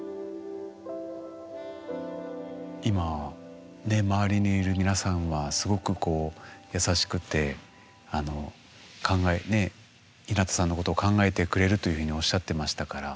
今ね周りにいる皆さんはすごく優しくてひなたさんのことを考えてくれるというふうにおっしゃってましたから。